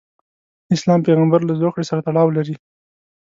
د اسلام پیغمبرله زوکړې سره تړاو لري.